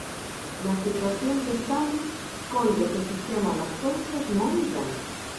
Na situación que estamos, coido que fixemos as cousas moi ben.